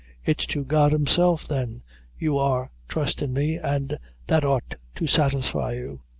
It's to God Himself, then, you are trustin' me, an' that ought to satisfy you."